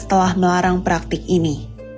telah melarang praktik ini